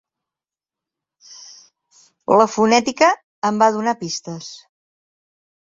La fonètica em va donar pistes.